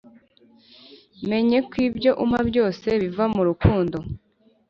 menye kw ibyo umpa byose, biva mu rukundo.